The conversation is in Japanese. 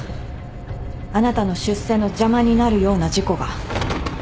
あなたの出世の邪魔になるような事故が。